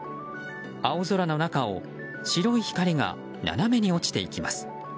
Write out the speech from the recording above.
青空の中を白い光が斜めに落ちていきます。